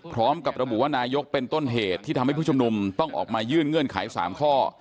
พร้อมกับระบุว่านายกเป็นต้นเหตุที่ทำให้ผู้ชุมนุมต้องออกมายื่นเงื่อนไข๓ข้อ